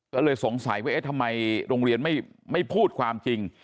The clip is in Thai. ก็เลยสงสัยว่าเอ๊ะทำไมโรงเรียนไม่พูดความจริง